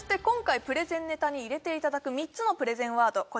今回プレゼンネタに入れていただく３つのプレゼンワード